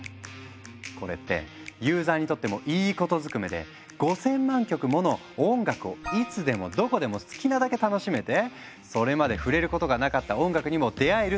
これってユーザーにとってもいいことずくめで５，０００万曲もの音楽をいつでもどこでも好きなだけ楽しめてそれまで触れることがなかった音楽にも出会えるっていう画期的な話。